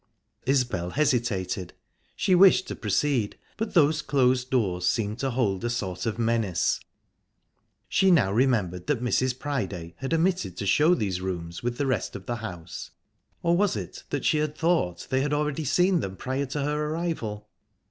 Isbel hesitated. She wished to proceed, but those closed doors seemed to hold a sort of menace. She now remembered that Mrs. Priday had omitted to show these rooms with the rest of the house or was it that she had thought they had already seen them prior to her arrival?